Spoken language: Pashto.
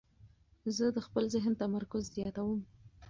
زه د خپل ذهن تمرکز زیاتوم.